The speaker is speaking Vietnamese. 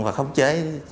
và khống chế